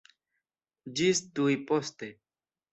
Ĝis tuj poste!